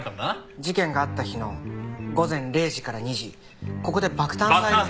事件があった日の午前０時から２時ここで爆誕祭。